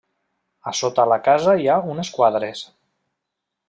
A sota la casa hi ha unes quadres.